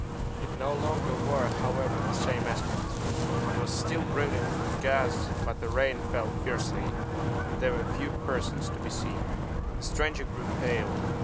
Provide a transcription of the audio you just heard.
It no longer wore, however, the same aspect. It was still brilliant with gas; but the rain fell fiercely, and there were few persons to be seen. The stranger grew pale.